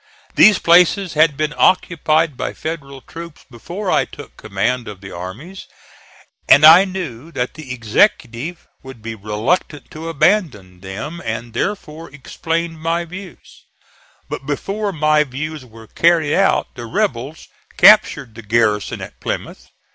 These places had been occupied by Federal troops before I took command of the armies, and I knew that the Executive would be reluctant to abandon them, and therefore explained my views; but before my views were carried out the rebels captured the garrison at Plymouth.